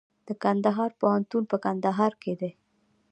د کندهار پوهنتون په کندهار کې دی